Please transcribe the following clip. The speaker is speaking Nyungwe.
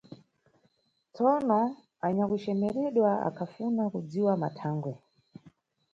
Tsono, anyakucemeredwa akhafuna kudziwa mathangwe.